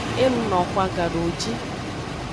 E luno xwan gadowoji.